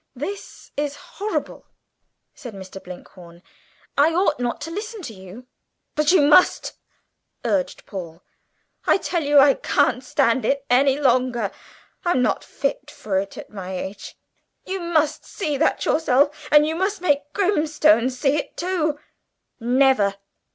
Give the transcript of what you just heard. "This is horrible!" said Mr. Blinkhorn "I ought not to listen to you." "But you must," urged Paul; "I tell you I can't stand it any longer. I'm not fit for it at my age. You must see that yourself, and you must make Grimstone see it too!" "Never!"